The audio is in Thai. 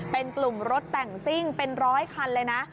เป็นกลุ่มรถแต่งซิ่งเป็นร้อยคันเลยนะ